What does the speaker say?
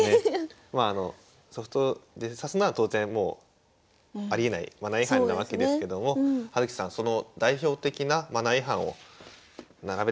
まああのソフトで指すのは当然もうありえないマナー違反なわけですけども葉月さんその代表的なマナー違反を並べてみました。